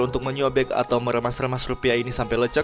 untuk menyobek atau meremas remas rupiah ini sampai lecek